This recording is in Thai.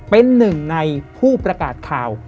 เป็นหนึ่งในผู้ประกาศข่าว